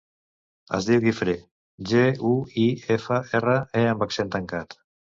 Es diu Guifré: ge, u, i, efa, erra, e amb accent tancat.